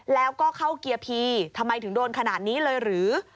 แล้วก็เข้าเกียร์พีทำไมถึงโดนขนาดนี้เลยหรือ